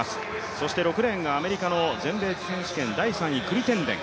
そして６レーンがアメリカの全米選手権第３位、クリッテンデン。